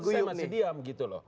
saya masih diam gitu loh